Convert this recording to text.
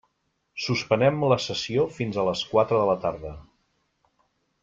Suspenem la sessió fins a les quatre de la tarda.